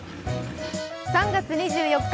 ３月２４日